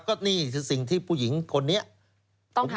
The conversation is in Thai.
ก็นี่คือสิ่งที่ผู้หญิงคนนี้ต้องทำ